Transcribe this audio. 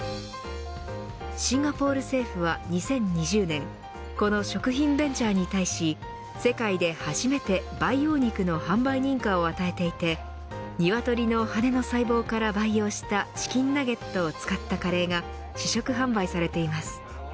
シンガポール政府は２０２０年この食品ベンチャーに対し世界で初めて培養肉の販売認可を与えていてニワトリの羽の細胞から培養したチキンナゲットを使ったカレーが試食販売されています。